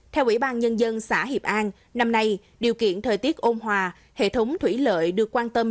theo ủy ban nhân dân xã hiệp an năm nay điều kiện thời tiết ôn hòa hệ thống thủy lợi được quan tâm